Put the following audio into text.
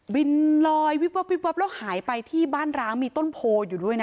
ลอยวิบวับวิบวับแล้วหายไปที่บ้านร้างมีต้นโพอยู่ด้วยนะ